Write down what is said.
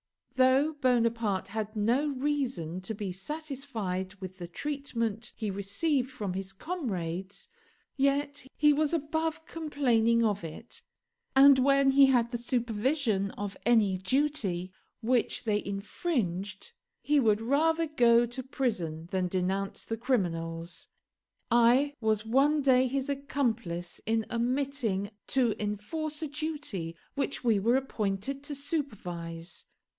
Though Bonaparte had no reason to be satisfied with the treatment he received from his comrades, yet he was above complaining of it; and when he had the supervision of any duty which they infringed, he would rather go to prison than denounce the criminals. I was one day his accomplice in omitting to enforce a duty which we were appointed to supervise.